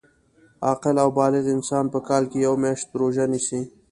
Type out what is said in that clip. عاقل او بالغ انسان په کال کي یوه میاشت روژه نیسي